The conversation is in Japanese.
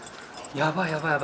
やばいやばいやばい。